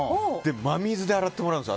真水で洗ってもらうんです。